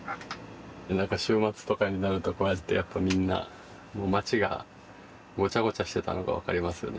週末とかになるとこうやってやっぱみんなもう町がごちゃごちゃしてたのが分かりますよね